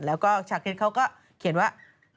แล้วก็ชาคริสเขาก็เขียนว่า